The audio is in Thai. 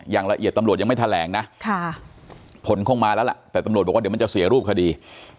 อย่างละเอียดตำรวจยังไม่แถลงนะผลคงมาแล้วล่ะแต่ตำรวจบอกว่าเดี๋ยวมันจะเสียรูปคดี